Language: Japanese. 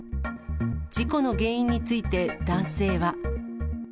事故の原因について男性は。